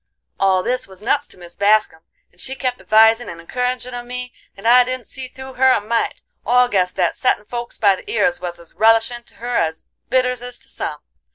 "All this was nuts to Mis Bascum, and she kep' advisin' and encouragin' of me, and I didn't see through her a mite, or guess that settin' folks by the ears was as relishin' to her as bitters is to some.